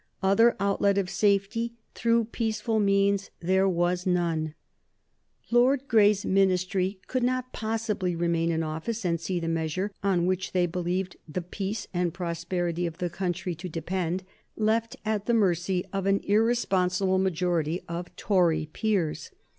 Other outlet of safety through peaceful means there was none. Lord Grey's Ministry could not possibly remain in office and see the measure, on which they believed the peace and prosperity of the country to depend, left at the mercy of an irresponsible majority of Tory peers.